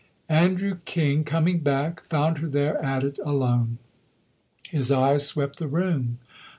Andrew King, coming back, found her there at it, alone. His eyes swept the room.